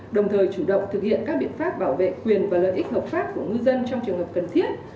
đồng thời chủ động thực hiện các biện pháp bảo vệ quyền và lợi ích hợp pháp của ngư dân trong trường hợp cần thiết